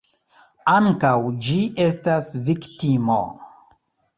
Ankaŭ ĝi estas viktimo.